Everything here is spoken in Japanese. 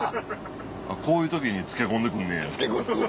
こういう時につけ込んでくんねや。